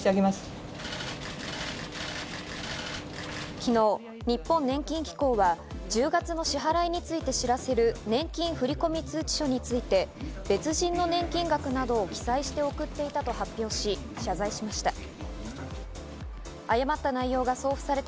昨日、日本年金機構は１０月の支払いについて知らせる年金振込通知書について、別人の年金額などを記載して送っていたと発表し謝罪しました。